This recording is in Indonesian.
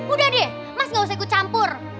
udah deh mas gak usah ikut campur